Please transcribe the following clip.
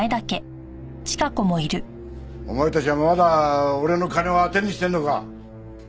お前たちはまだ俺の金を当てにしてるのか。